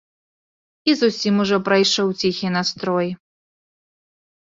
І зусім ужо прайшоў ціхі настрой.